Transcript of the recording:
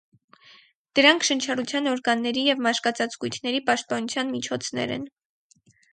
Դրանք շնչառության օրգանների և մաշկածածկույթների պաշտպանության միջոցներ են։